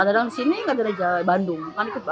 di sini di bandung